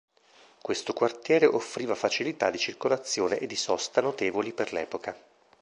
Questo quartiere offriva facilità di circolazione e di sosta notevoli per l'epoca.